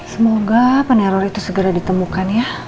semoga peneror itu segera ditemukan ya